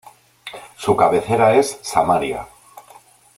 Su cabecera es Samaria.